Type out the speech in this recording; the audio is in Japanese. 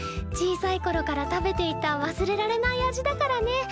小さいころから食べていた忘れられない味だからね。